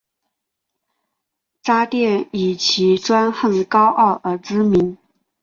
渣甸以其专横高傲而知名。